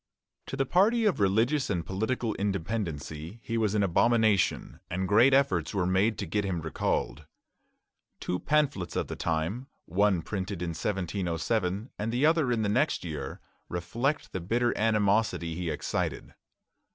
To the party of religious and political independency he was an abomination, and great efforts were made to get him recalled. Two pamphlets of the time, one printed in 1707 and the other in the next year, reflect the bitter animosity he excited.